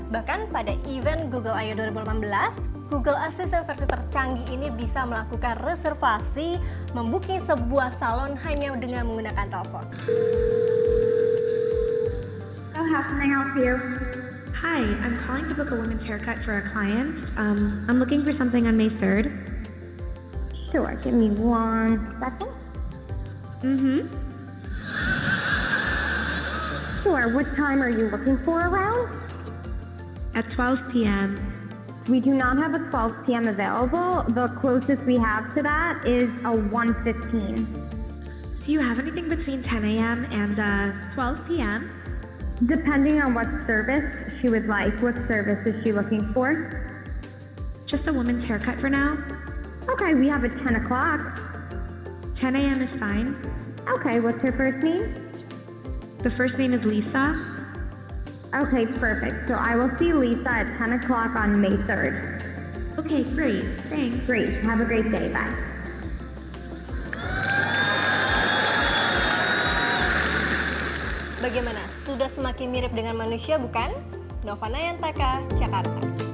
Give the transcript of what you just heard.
bahkan pada event google iao dua ribu delapan belas google assistant versi tercanggih ini bisa melakukan reservasi membuking sebuah salon hanya dengan menggunakan telepon